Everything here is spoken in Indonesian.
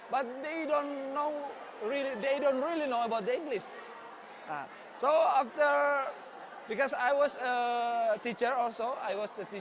bagaimana mengatakan bahasa inggris atau bagaimana memahami kata kata